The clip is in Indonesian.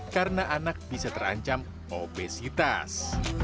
karena anak bisa terancam obesitas